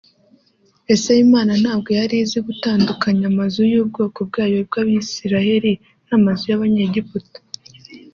“ Ese Imana ntabwo yari izi gutandukanya amazu y’ubwoko bwayo bw’Abisiraheli n’amazu y’Abanyegiputa